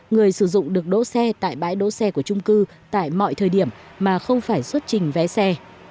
người sử dụng được đỗ xe tại bãi đỗ xe của trung cư tại mọi thời điểm mà không phải xuất trình vé xe